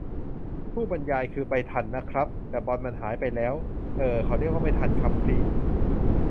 ผู้บรรยาย :"คือไปทันนะครับ แต่บอลมันหายไปแล้ว" เอ่อ เค้าเรียกว่าไม่ทันครับพี่